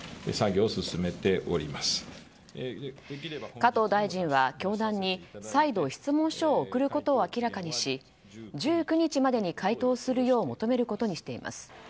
加藤大臣は教団に再度質問書を送ることを明らかにし１９日までに回答するよう求めることにしています。